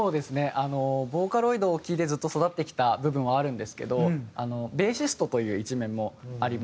あのボーカロイドを聴いてずっと育ってきた部分はあるんですけどベーシストという一面もありまして。